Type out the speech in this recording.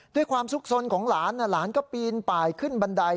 ด้วยความสุขสนของหลานหลานก็ปีนป่ายขึ้นบันได